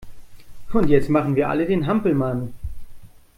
Und jetzt machen wir alle den Hampelmann!